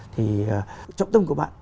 thì trọng tâm của bạn